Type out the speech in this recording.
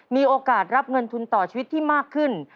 มีโอกาสรับเงินทุนต่อชีวิตที่มากขึ้น